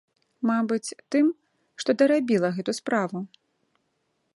Мабыць, тым, што дарабіла гэту справу.